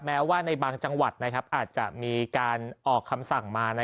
แม้ว่าในบางจังหวัดอาจจะมีการออกคำสั่งมา